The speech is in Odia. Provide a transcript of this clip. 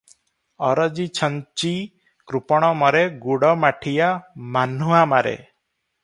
"ଅରଜି ଛଞ୍ଚି କୃପଣ ମରେ ଗୁଡ଼ମାଠିଆ ମାହ୍ନୁଆ ମାରେ ।"